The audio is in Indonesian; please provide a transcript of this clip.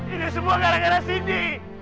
ini semua gara gara sini